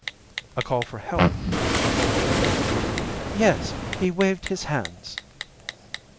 "A call for help, you thought?" "Yes. He waved his hands."